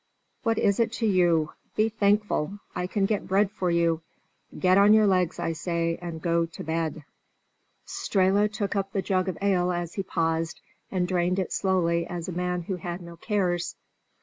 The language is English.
What is it to you? Be thankful I can get bread for you. Get on your legs, I say, and go to bed." Strehla took up the jug of ale as he paused, and drained it slowly as a man who had no cares.